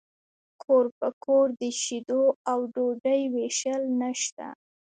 کور په کور د شیدو او ډوډۍ ویشل نشته